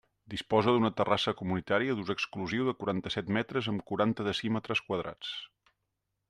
Disposa d'una terrassa comunitària d'ús exclusiu de quaranta-set metres amb quaranta decímetres quadrats.